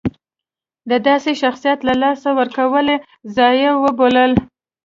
د داسې شخصیت له لاسه ورکول یې ضایعه وبلله.